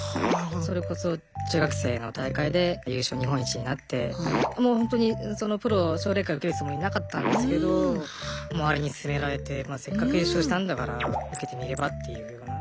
それこそ中学生の大会で優勝日本一になってもうほんとにそのプロ奨励会受けるつもりなかったんですけど周りに勧められてせっかく優勝したんだから受けてみればっていうような。